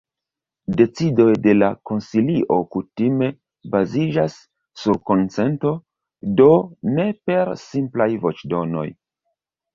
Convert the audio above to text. Decidoj de la konsilio kutime baziĝas sur konsento, do ne per simplaj voĉdonoj.